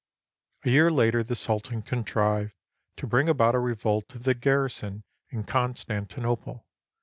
A year later the sultan contrived to bring about a revolt of the garrison in Constantinople.